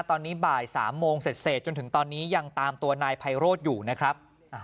ตอนนี้บ่าย๓โมงเสร็จจนถึงตอนนี้ยังตามตัวนายไพโรธอยู่นะครับ